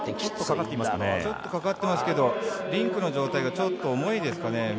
ちょっとかかってますけど、リンクの状態がちょっと重いですかね？